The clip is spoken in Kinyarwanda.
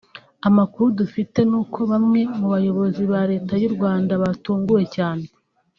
Amakuru dufite n’uko bamwe mu bayobozi ba Leta y’u Rwanda batunguwe cyane